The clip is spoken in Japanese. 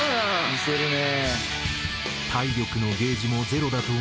「魅せるね」